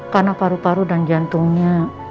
karena paru paru dan jantungnya